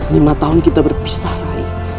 lima tahun kita berpisah rai